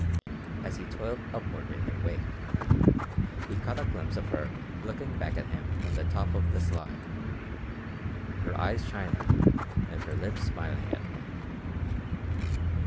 As he toiled upward in their wake, he caught a glimpse of her looking back at him from the top of the slide, her eyes shining and her lips smiling at him.